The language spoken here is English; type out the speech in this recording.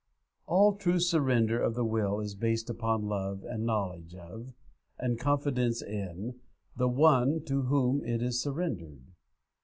All true surrender of the will is based upon love and knowledge of, and confidence in, the one to whom it is surrendered.